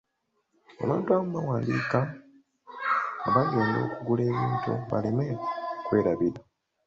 Abantu abamu bawandiika nga bagenda okugula ebintu baleme kwerabira.